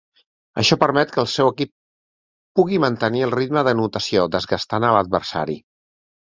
Això permet que el seu equip pugui mantenir el ritme d'anotació, desgastant a l'adversari.